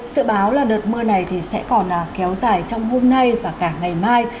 sự báo là đợt mưa này sẽ còn kéo dài trong hôm nay và cả ngày mai